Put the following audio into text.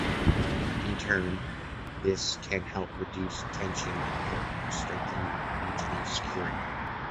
In turn, this can help reduce tensions and help strengthen regional security.